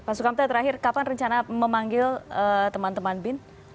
pak sukamta terakhir kapan rencana memanggil teman teman bin